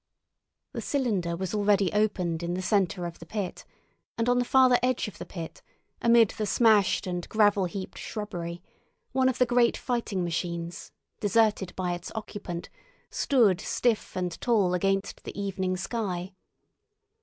The cylinder was already opened in the centre of the pit, and on the farther edge of the pit, amid the smashed and gravel heaped shrubbery, one of the great fighting machines, deserted by its occupant, stood stiff and tall against the evening sky.